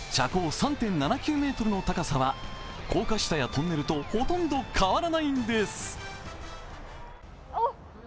３．７９ｍの高さは高架下やトンネルとほとんど変わらないんです。